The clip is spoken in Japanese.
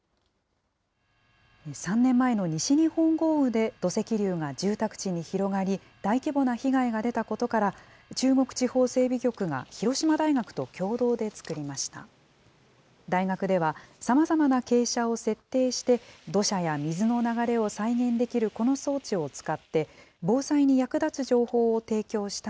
３年前の西日本豪雨で土石流が住宅地に広がり、大規模な被害が出たことから、中国地方整備局が広島大学と共同で作りました。